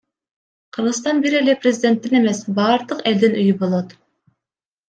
Кыргызстан бир эле президенттин эмес, бардык элдин үйү болот.